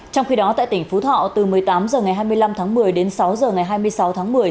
trong khi đó tại tỉnh phú thọ từ một mươi tám h ngày hai mươi năm tháng một mươi đến sáu h ngày hai mươi sáu tháng một mươi